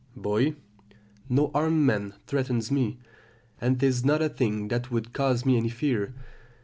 "Boy. No armed man threatens me; and 'tis not a thing that would cause me any fear.